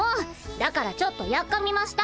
だからちょっとやっかみました。